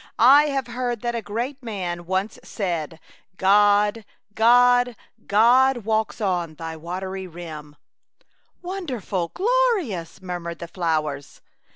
" I have heard that a great man once said, * God, God, God walks on thy wa tery rim/ "" Wonderful, glorious," murmured the flowers.